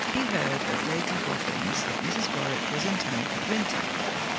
He heard at Lady Wathin's that Mrs. Warwick was in town for the winter.